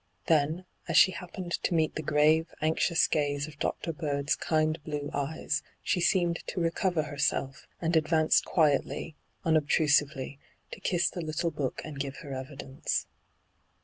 Then, as she happened to meet the grave, anxious gaze of Dr. Bird's kind blue eyes, she seemed to recover herself, and advanced quietly, un obtrusively, to kiss the little Book and give her evidence.